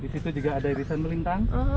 di situ juga ada irisan melintang